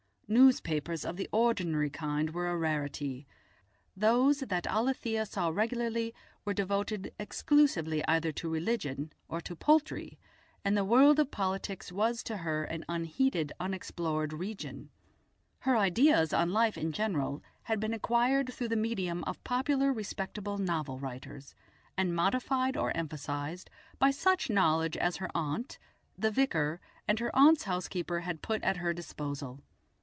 Newspapers of the ordinary kind were a rarity; those that Alethia saw regularly were devoted exclusively either to religion or to poultry, and the world of politics was to her an unheeded unexplored region. Her ideas on life in general had been acquired through the medium of popular respectable novel writers, and modified or emphasised by such knowledge as her aunt, the vicar, and her aunt's housekeeper had put at her disposal.